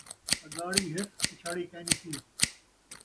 اڳاڑی ہس پچھاڑی کیئنسی